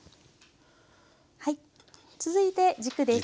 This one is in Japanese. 続いて軸です。